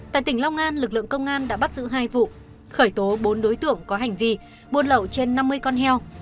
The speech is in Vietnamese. tại tỉnh long an lực lượng công an đã bắt giữ hai vụ khởi tố bốn đối tượng có hành vi buôn lậu trên năm mươi con heo